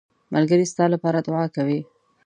ملګری ستا لپاره دعا کوي